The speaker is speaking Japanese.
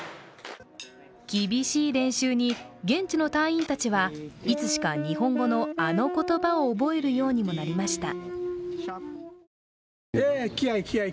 厳しい練習に現地の隊員たちはいつしか日本語のあの言葉を覚えるようになりました。